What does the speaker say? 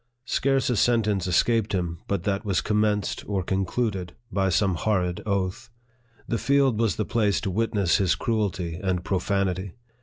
Scarce a sentence escaped him but that was commenced or concluded by some horrid oath. The field was the place to witness his cruelty and profanity.